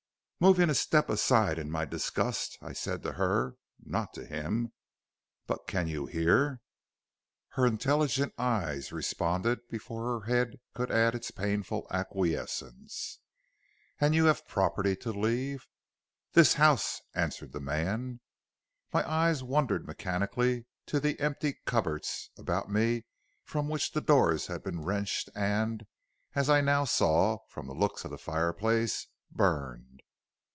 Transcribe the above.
"Moving a step aside in my disgust, I said to her, not to him: "'But you can hear?' "Her intelligent eye responded before her head could add its painful acquiescence. "'And you have property to leave?' "'This house', answered the man. "My eyes wandered mechanically to the empty cupboards about me from which the doors had been wrenched and, as I now saw from the looks of the fireplace, burned.